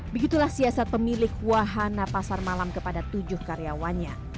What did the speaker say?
begitulah siasat pemilik wahana pasar malam kepada tujuh karyawannya